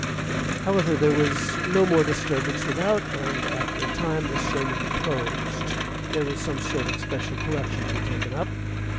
However, there was no more disturbance without, and after a time the sermon closed. There was some sort of a special collection to be taken up.